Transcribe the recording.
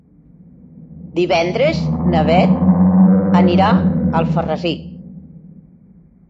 Divendres na Bet anirà a Alfarrasí.